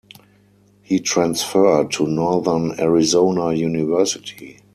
He transferred to Northern Arizona University.